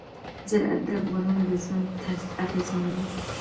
زراعت د افغانانو د ژوند طرز اغېزمنوي.